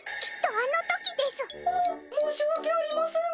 あっ申し訳ありません。